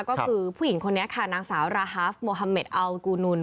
ก็คือผู้หญิงคนนี้ค่ะนางสาวราฮาฟโมฮาเมดอัลกูนุน